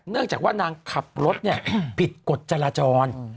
เนื่องจากว่านางขับรถผิดกฎจราจร